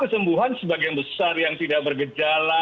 kesembuhan sebagian besar yang tidak bergejala